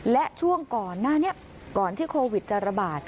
และช่วงก่อนหน้านี้ก่อนที่โควิดจะระบาด